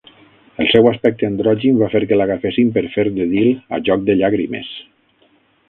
El seu aspecte androgin va fer que l'agafessin per fer de Dil a "Joc de llàgrimes".